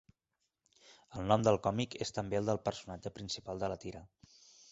El nom del còmic és també el del personatge principal de la tira.